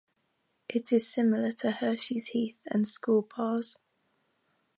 It is similar to Hershey's Heath and Skor bars.